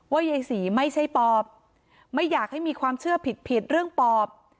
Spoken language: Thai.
ยายศรีไม่ใช่ปอบไม่อยากให้มีความเชื่อผิดผิดเรื่องปอบ